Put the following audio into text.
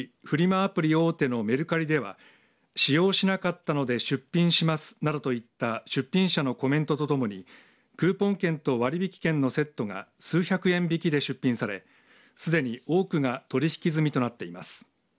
アプリ大手のメルカリでは使用しなかったので出品しますなどといった出品者のコメントと共にクーポン券と割引券のセットが数百円引きで出品されすでに多くが取引済みとなっています。